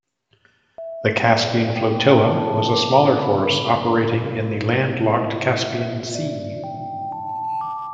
The Caspian Flotilla was a smaller force operating in the land-locked Caspian Sea.